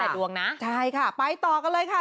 ดวงนะใช่ค่ะไปต่อกันเลยค่ะ